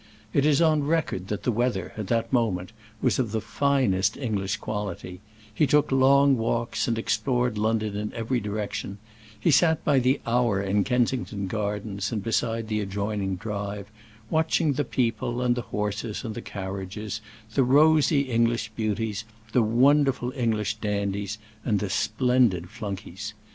It is on record that the weather, at that moment, was of the finest English quality; he took long walks and explored London in every direction; he sat by the hour in Kensington Gardens and beside the adjoining Drive, watching the people and the horses and the carriages; the rosy English beauties, the wonderful English dandies, and the splendid flunkies.